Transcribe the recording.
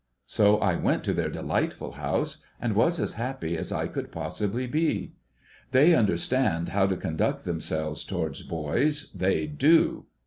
So I went to their delightful house, and was as happy as I could possibly be. They understand how to conduct themselves towards boys, ihcy do.